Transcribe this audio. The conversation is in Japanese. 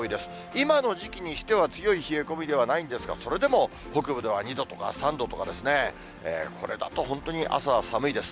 今の時期にしては強い冷え込みではないんですが、それでも北部では２度とか、３度とかですね、これだと本当に朝は寒いです。